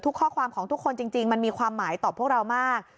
ข้อความของทุกคนจริงมันมีความหมายต่อพวกเรามาก